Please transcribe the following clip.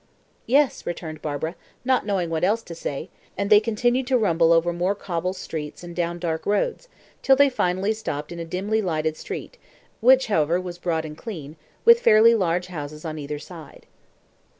"Yes," returned Barbara, not knowing what else to say, and they continued to rumble over more cobble stones and down dark roads, till they finally stopped in a dimly lighted street, which, however, was broad and clean, with fairly large houses on either side.